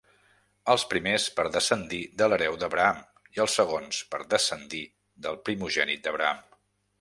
Els primers per descendir de l'hereu d'Abraham i els segons per descendir del primogènit d'Abraham.